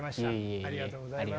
ありがとうございます。